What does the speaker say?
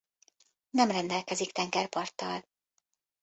Nem rendelkezik tengerparttal.